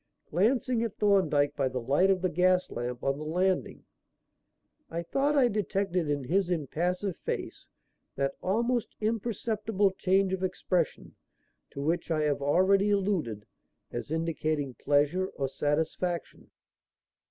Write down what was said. Glancing at Thorndyke by the light of the gas lamp on the landing, I thought I detected in his impassive face that almost imperceptible change of expression to which I have already alluded as indicating pleasure or satisfaction.